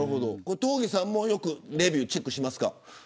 東儀さんもレビューチェックしますか。